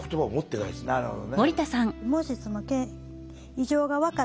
なるほど。